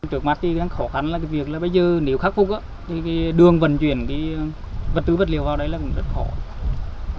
ủy ban nhân dân huyền đang hủy động các nguồn lực để kiến cố hỏa